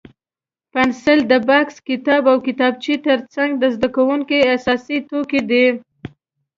پنسل د بکس، کتاب او کتابچې تر څنګ د زده کوونکو اساسي توکي دي.